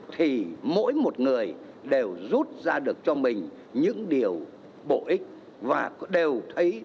thì mỗi một người đều rút ra được cho mình những điều bổ ích và đều thấy